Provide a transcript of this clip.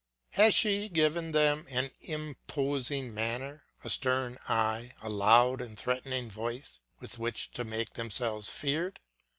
Has she given them an imposing manner, a stern eye, a loud and threatening voice with which to make themselves feared?